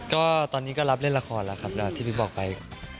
ก็ตอนนี้ก็รับเล่นละครแล้วครับแล้วที่พี่บอกไป